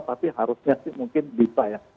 tapi harusnya sih mungkin bisa ya